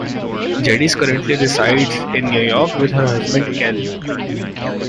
Geddes currently resides in New York with her husband Kel.